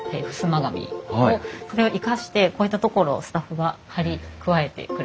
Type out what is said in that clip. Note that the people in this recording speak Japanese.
紙をそれを生かしてこういった所をスタッフが貼り加えてくれたんです。